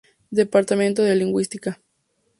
Departamento de lingüística.